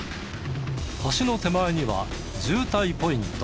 橋の手前には「渋滞ポイント」